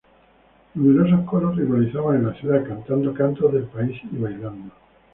Numerosos coros rivalizaban en la ciudad, cantando cantos del país y bailando.